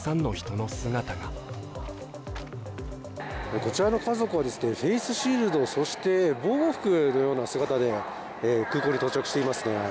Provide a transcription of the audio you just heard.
こちらの家族フェイスシールド、そして防護服のような姿で空港に到着していますね。